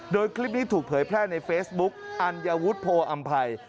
โดยคลิปนี้ถูกเผยแพร่ในเฟซบุ๊กอัญวุฒิโพออำภัย